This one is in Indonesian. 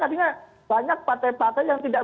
artinya banyak partai partai yang tidak